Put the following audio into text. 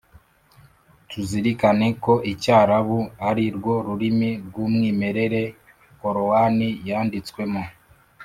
tuzirikane ko icyarabu ari rwo rurimi rw’umwimerere korowani yanditswemo